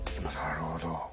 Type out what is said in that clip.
なるほど。